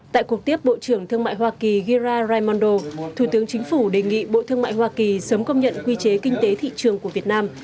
tại cuộc tiếp bộ trưởng thương mại hoa kỳ gira raimondo thủ tướng chính phủ đề nghị bộ thương mại hoa kỳ sớm công nhận quy chế kinh tế thị trường của việt nam